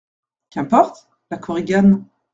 Qu'importe ? LA KORIGANE.